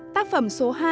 tác phẩm số hai